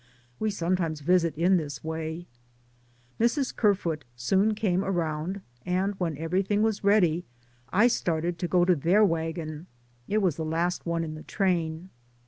(We sometimes visit in this way.) Mrs. Kerfoot soon came around, and when everything was ready I started to go to their wagon. It was the last one in the train.